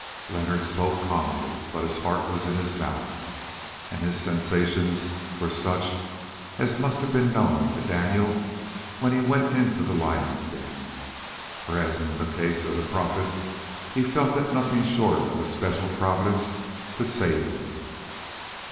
Leonard spoke calmly, but his heart was in his mouth, and his sensations were such as must have been known to Daniel when he went into the lions' den, for, as in the case of the prophet, he felt that nothing short of a special Providence could save them.